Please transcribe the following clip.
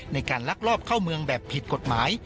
ในการลักลอบเข้าเมืองแบบผิดกฎหมาย